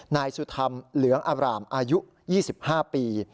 นายสุธรรมเหลืองอาบรามอายุ๒๕ปี